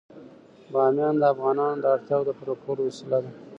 بامیان د افغانانو د اړتیاوو د پوره کولو وسیله ده.